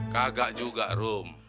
kagak juga rum